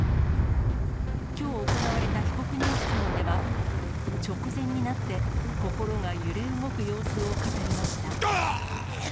きょう行われた被告人質問では、直前になって、心が揺れ動く様子を語りました。